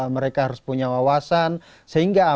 mereka harus punya wawasan